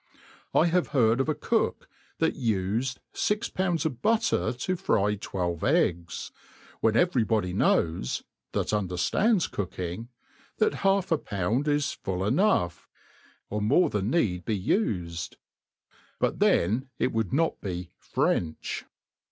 I have heard of a cook that ufed fix pounds of butter to fry twelve eggs ; when every body knows (that underfiands cooking) that half a pound is full enough^ or more than need be ufed : but then it would not be French.